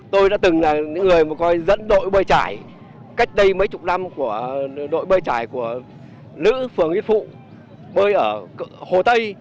tôi đã từng là những người mà coi dẫn đội bơi chải cách đây mấy chục năm của đội bơi chải của lữ phường yết phụ bơi ở hồ tây